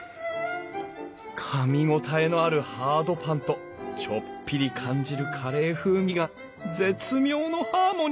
かみ応えのあるハードパンとちょっぴり感じるカレー風味が絶妙のハーモニー！